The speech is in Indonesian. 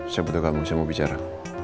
saya butuh kamu saya mau bicara